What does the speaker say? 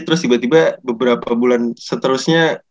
terus tiba tiba beberapa bulan seterusnya